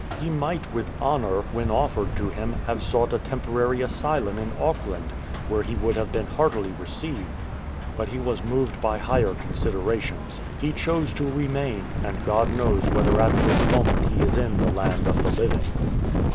He might, with honour, 330 ATTACKED IN THE BUSH when offered to him, have sought a temporary asylum in Auckland, where he would have been heartily received. But he was moved by higher considerations. He chose to remain, and God knows whether at this moment he is in the land of the living."